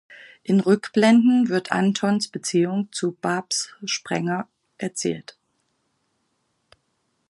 In Rückblenden wird Antons Beziehung zu Babs Sprenger erzählt.